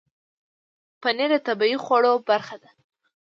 پنېر د طبیعي خوړو برخه ده.